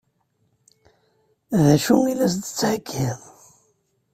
D acu i la s-d-tettheggiḍ?